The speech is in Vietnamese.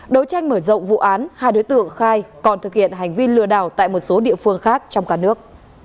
đấu tranh mở rộng vụ án hai đối tượng khai còn thực hiện hành vi lừa đảo tại một số địa phương khác trong cả nước